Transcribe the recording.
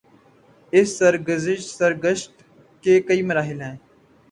اس سرگزشت کے کئی مراحل ہیں۔